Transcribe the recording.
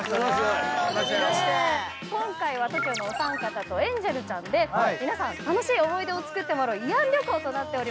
今回はＴＯＫＩＯのお三方とエンジェルちゃんで皆さん楽しい思い出をつくってもらう慰安旅行となっております。